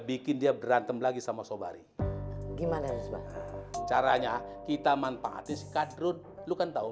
bikin dia berantem lagi sama sobari gimana caranya kita manfaatkan drud lu kan tahu